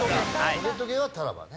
トゲトゲはタラバね。